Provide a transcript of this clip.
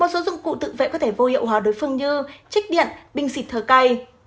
một số dụng cụ tự vệ có thể vô hiệu hóa đối phương như trích điện bình xịt thở cay